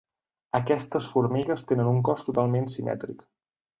Aquestes formigues tenen un cos totalment simètric.